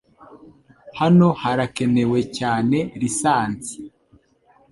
Hano harakenewe cyane lisansi.